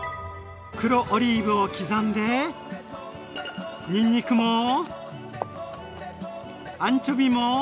黒オリーブを刻んでにんにくもアンチョビも。